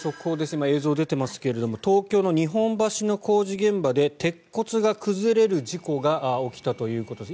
今、映像出ていますけれども東京の日本橋の工事現場で鉄骨が崩れる事故が起きたということです。